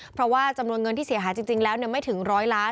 เพราะว่าจำนวนเงินที่เสียหายจริงแล้วไม่ถึงร้อยล้าน